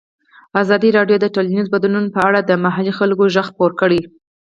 ازادي راډیو د ټولنیز بدلون په اړه د محلي خلکو غږ خپور کړی.